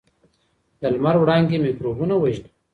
د لمر وړانګې میکروبونه وژني.